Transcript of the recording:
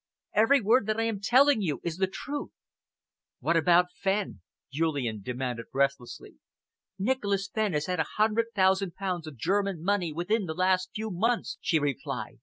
Every word that I am telling you is the truth." "What about Fenn?" Julian demanded breathlessly. "Nicholas Fenn has had a hundred thousand pounds of German money within the last few months," she replied.